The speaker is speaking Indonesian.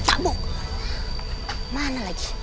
aduh ada dalam